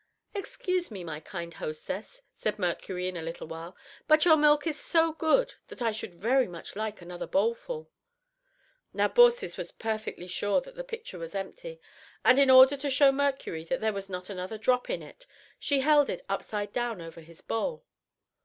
"Excuse me, my kind hostess," said Mercury in a little while, "but your milk is so good that I should very much like another bowlful." Now Baucis was perfectly sure that the pitcher was empty, and in order to show Mercury that there was not another drop in it, she held it upside down over his bowl.